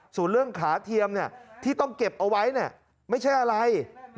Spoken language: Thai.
ส่วนเรื่องขาเทียมที่ต้องเก็บเอาไว้ไม่ใช่อะไร